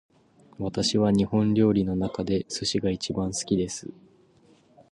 私は日本料理の中で寿司が一番好きです